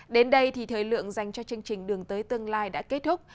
đến đây thì thời lượng dành cho chương trình đường tới tương lai đã kết thúc